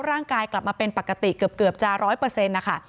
ร่างกายกลับมาเป็นปกติเกือบจะร้อยเปอร์เซ็นต์นะคะ